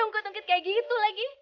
oke ungkut ungkit kayak gitu lagi